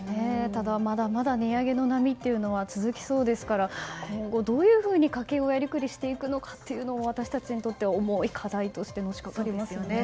ただ、まだまだ値上げの波というのは続きそうですから今後どういうふうに家計をやりくりしていくかも私たちにとっては重い課題としてのしかかりますね。